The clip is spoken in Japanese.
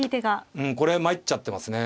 うんこれはまいっちゃってますね。